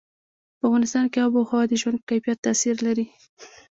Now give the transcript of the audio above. په افغانستان کې آب وهوا د ژوند په کیفیت تاثیر لري.